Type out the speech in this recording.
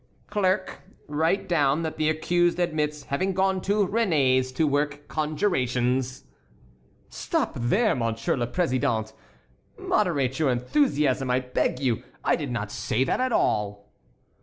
"Clerk, write down that the accused admits having gone to Réné's to work conjurations." "Stop there, Monsieur le Président. Moderate your enthusiasm, I beg you. I did not say that at all."